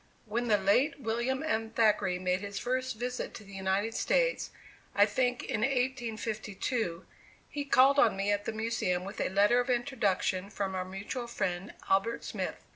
When the late William M. Thackeray made his first visit to the United States, I think in 1852, he called on me at the Museum with a letter of introduction from our mutual friend Albert Smith.